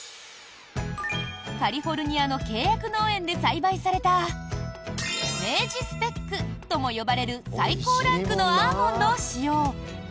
カリフォルニアの契約農園で栽培された明治スペックとも呼ばれる最高ランクのアーモンドを使用。